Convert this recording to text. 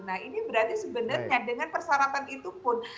nah ini berarti sebenarnya dengan persyaratan itu pun